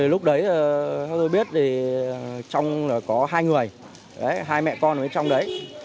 lúc đấy tôi biết trong có hai người hai mẹ con ở trong đấy